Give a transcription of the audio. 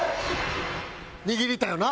握りたいよな？